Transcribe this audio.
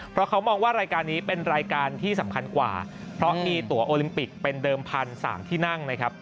เพราะเขามองว่ารายการนี้เป็นรายการที่สำคัญกว่าเพราะมีตัวโอลิมปิกเป็นเดิมพันธุ์๓ที่นั่งนะครับ